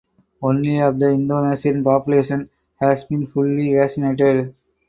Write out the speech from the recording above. Only of the Indonesian population has been fully vaccinated.